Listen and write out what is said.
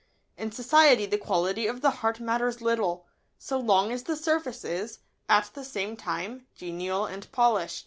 In society the quality of the heart matters little, so long as the surface is, at the same time, genial and polished.